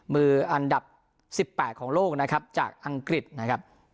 มืออันดับ๑๘ของโลกนะครับจากอังกฤษนะครับ